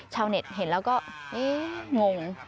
ชาวเน็ตเห็นแล้วก็งง